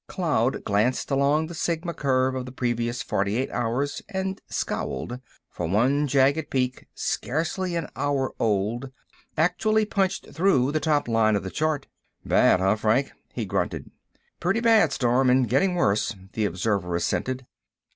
Cloud glanced along the Sigma curve of the previous forty eight hours and scowled, for one jagged peak, scarcely an hour old, actually punched through the top line of the chart. "Bad, huh, Frank?" he grunted. "Plenty bad, Storm, and getting worse," the observer assented.